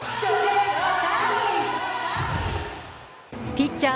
ピッチャー